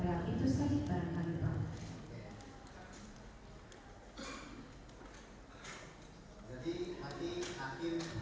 jadi saudara telah kentar gitu dua kali di posting